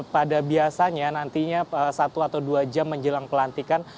pada biasanya nantinya satu atau dua jam menjelang pelantikan